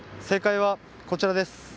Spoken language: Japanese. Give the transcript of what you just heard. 正解はこちらです！